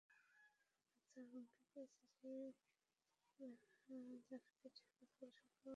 হত্যার হুমকি দিয়ে লেখা চিঠিটি গতকাল শুক্রবার সকালে মসজিদের ভেতরে পাওয়া যায়।